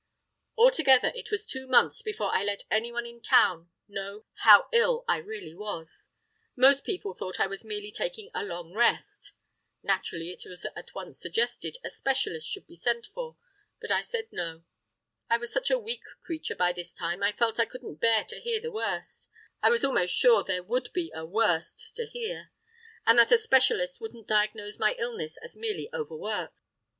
Altogether it was two months before I let anyone in town know how ill I really was; most people thought I was merely taking a long rest. Naturally it was at once suggested a specialist should be sent for; but I said no. I was such a weak creature by this time, I felt I couldn't bear to hear the worst—I was almost sure there would be a "worst" to hear—and that a specialist wouldn't diagnose my illness as merely overwork.